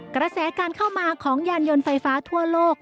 กระแสการเข้ามาของยานยนต์ไฟฟ้าทั่วโลก